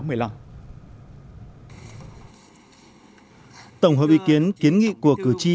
tổng hợp ý kiến kiến nghị của cử tri